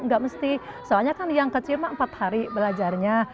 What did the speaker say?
nggak mesti soalnya kan yang kecil mah empat hari belajarnya